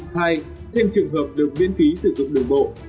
hai thêm trường hợp được miễn phí sử dụng đường bộ